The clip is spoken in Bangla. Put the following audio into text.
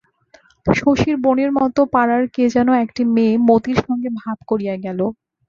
শশীর বোনের মতো পাড়ার কে যেন একটি মেয়ে মতির সঙ্গে ভাব করিয়া গেল।